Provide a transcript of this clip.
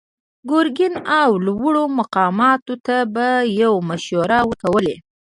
ګرګين او لوړو مقاماتو ته به يې مشورې ورکولې.